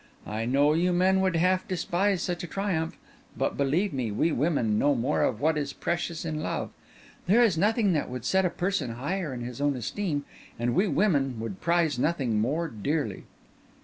I know you men would half despise such a triumph; but believe me, we women know more of what is precious in love. There is nothing that should set a person higher in his own esteem; and we women would prize nothing more dearly."